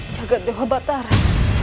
jaga dewa batara